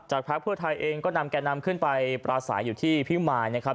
พักเพื่อไทยเองก็นำแก่นำขึ้นไปปราศัยอยู่ที่พิมายนะครับ